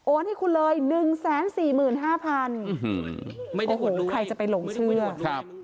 ให้คุณเลยหนึ่งแสนสี่หมื่นห้าพันไม่ได้โอ้โหใครจะไปหลงเชื่อครับ